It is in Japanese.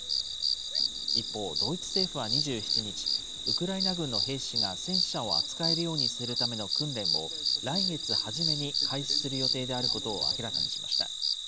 一方、ドイツ政府は２７日、ウクライナ軍の兵士が戦車を扱えるようにするための訓練を、来月初めに開始する予定であることを明らかにしました。